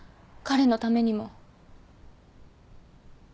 彼のためにも。